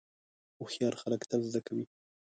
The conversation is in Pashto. هوښیار خلک تل زده کوي.